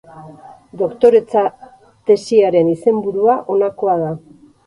Doktoretza tesiaren izenburua honakoa da.